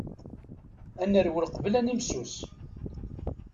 Ad nerwel qbel ad nimsus.